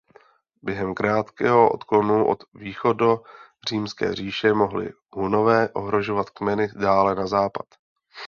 Během krátkého odklonu od východořímské říše mohli Hunové ohrožovat kmeny dále na západ.